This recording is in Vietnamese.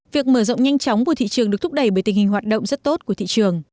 việc mở rộng nhanh chóng của thị trường được thúc đẩy bởi tình hình hoạt động rất tốt của thị trường